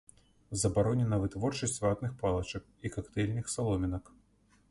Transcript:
Забаронена вытворчасць ватных палачак і кактэйльных саломінак.